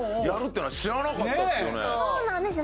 そうなんですよ